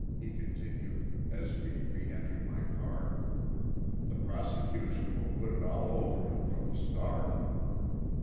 he continued, as we re entered my car. "The prosecution will put it all over him from the start."